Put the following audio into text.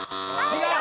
違う！